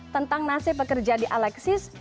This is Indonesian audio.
tentang nasib pekerja di alexis